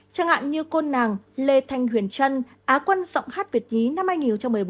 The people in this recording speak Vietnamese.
chẳng hạn như cô nàng lê thanh huyền trân á quân giọng hát việt nhí năm hai nghìn một mươi bốn